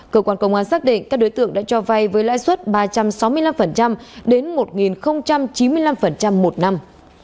cơ quan công an xác định các đối tượng đã cho vay với lãi suất ba trăm sáu mươi năm đến một chín mươi năm một năm